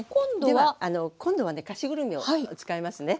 では今度はね菓子ぐるみを使いますね。